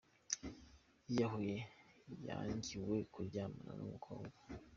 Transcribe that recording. Yiyahuye yangiwe kuryamana n’umukobwa